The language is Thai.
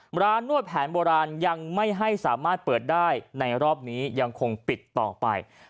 ร้านนวดแผนโบราณยังไม่ให้สามารถเปิดได้ในรอบนี้ยังคงปิดต่อไป